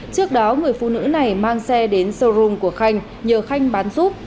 trước đó người phụ nữ này mang xe đến showroom của khanh nhờ khanh bán giúp